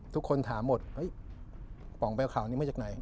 ทุกคนถามหมดปองแปลวข่าวนี้มาจากไหน